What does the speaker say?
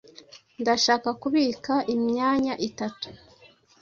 Ndashaka kubika imyanya itatu.